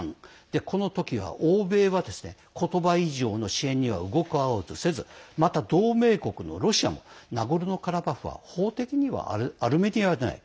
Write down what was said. この時は欧米は言葉以上の支援には動こうとせずまた同盟国のロシアもナゴルノカラバフは法的にはアルメニアではない。